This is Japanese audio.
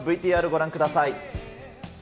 ＶＴＲご覧ください。